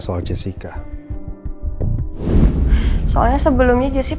gak lama setelah itu saya ketemu sama catherine